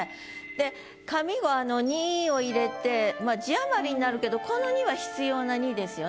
で上五あの「に」を入れてまあ字余りになるけどこの「に」は必要な「に」ですよね。